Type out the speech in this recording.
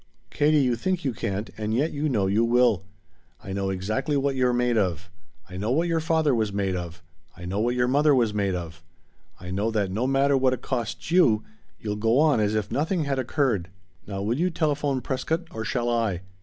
"Katie, you think you can't, and yet you know you will. I know exactly what you're made of. I know what your father was made of. I know what your mother was made of. I know that no matter what it costs you you'll go on as if nothing had occurred. Now will you telephone Prescott, or shall I?